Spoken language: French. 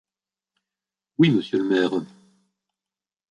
Oui, monsieur le maire.